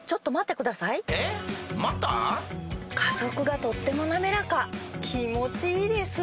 加速がとっても滑らか気持ちいいです。